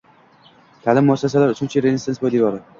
Ta’lim muassasalari – “Uchinchi renesans” poydevori